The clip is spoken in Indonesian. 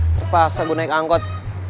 terpaksa gue naik angkot